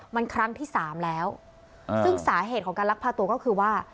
มันครั้งที่สามแล้วซึ่งสาเหตุของการลักพาตัวก็คือว่า